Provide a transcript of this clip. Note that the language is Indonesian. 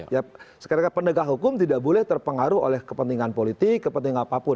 ya sekarang penegak hukum tidak boleh terpengaruh oleh kepentingan politik kepentingan apapun